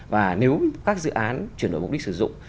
và nếu các dự án chuyển đổi mục đích sử dụng